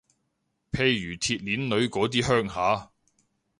譬如鐵鍊女嗰啲鄉下